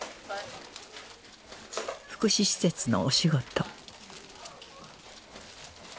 福祉施設のお仕事